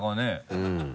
うん。